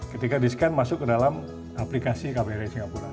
ketika di scan masuk ke dalam aplikasi kbri singapura